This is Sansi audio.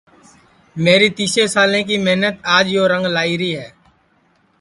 میری تیس سالیں کی محنت آج یو رنگ لائی ری ہے